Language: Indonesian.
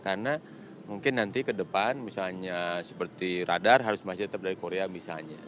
karena mungkin nanti ke depan misalnya seperti radar harus masih tetap dari korea misalnya